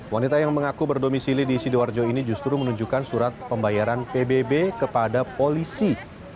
wanita yang mengaku berdomisili di sidoarjo ini justru menunjukkan surat pembayaran pbb kepada polisi